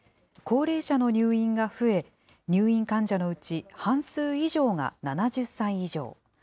高齢者の入院が増え、入院患者のうち半数以上が７０歳以上。